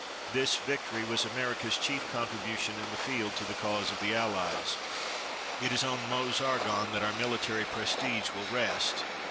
This victory was America's chief contribution in the field to the cause of the Allies. It is on Meuse Argonne that our military prestige will rest.